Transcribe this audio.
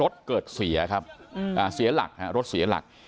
รถเกิดเสียครับเสียหลักฮะรถเสียหลัก